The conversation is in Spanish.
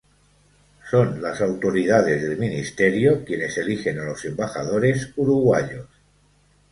Son las autoridades del Ministerio quienes eligen a los Embajadores Uruguayos.